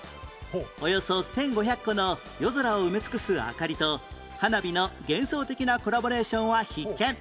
およそ１５００個の夜空を埋め尽くす明かりと花火の幻想的なコラボレーションは必見